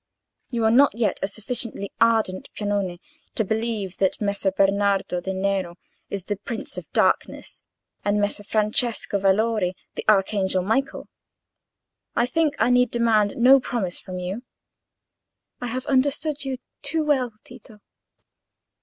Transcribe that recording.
You are not yet a sufficiently ardent Piagnone to believe that Messer Bernardo del Nero is the prince of darkness, and Messer Francesco Valori the archangel Michael. I think I need demand no promise from you?" "I have understood you too well, Tito."